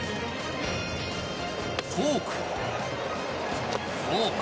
フォーク、フォーク